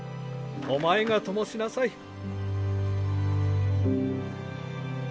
お前がともしなさい。